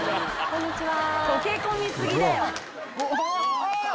こんにちは。